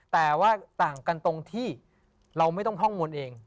แต่ว่าต่างกันตรงที่เราไม่ต้องท่องมนต์เอง